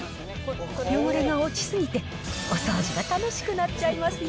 汚れが落ち過ぎて、お掃除が楽しくなっちゃいますよ。